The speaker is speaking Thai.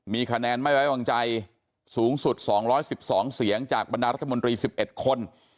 มีคะแนนไม่ไว้วางใจสูงสุด๒๑๒เสียงจากบรรดารัฐมนตรี๑๑คน